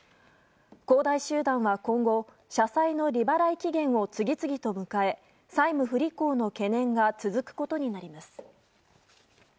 恒大集団は今後社債の利払い期限を次々と迎え、債務不履行の懸念が続くことになります